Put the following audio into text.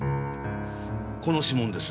この指紋です。